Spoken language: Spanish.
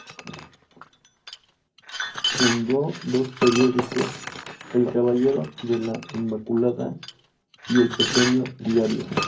Fundó dos periódicos, "El Caballero de la Inmaculada" y "El Pequeño Diario".